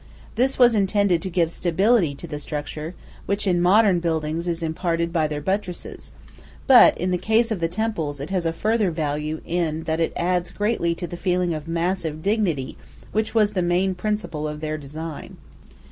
This was intended to give stability to the structure, which in modern buildings is imparted by their buttresses; but in the case of the temples it has a further value in that it adds greatly to the feeling of massive dignity which was the main principle of their design.